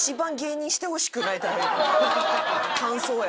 感想や。